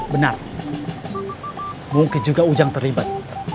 benar mungkin juga ujang terlibat